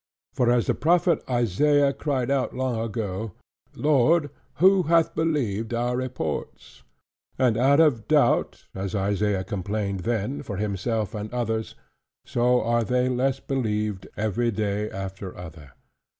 For as the Prophet Isaiah cried out long ago, "Lord, who hath believed our reports?" And out of doubt, as Isaiah complained then for himself and others: so are they less believed, every day after other.